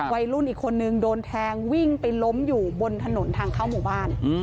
วัยรุ่นอีกคนนึงโดนแทงวิ่งไปล้มอยู่บนถนนทางเข้าหมู่บ้าน